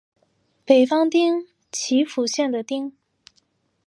北方町为岐阜县的町。